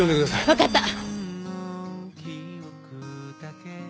わかった。